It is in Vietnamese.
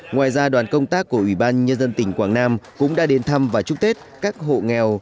ngoài ra đoàn công tác của ủy ban nhân dân tỉnh quảng nam cũng đã đến thăm và chúc tết các hộ nghèo